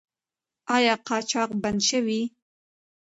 آیا قاچاق بند شوی؟